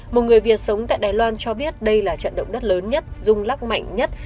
một người việt sống tại đài loan cho biết đây là trận động đất lớn nhất rung lắc mạnh nhất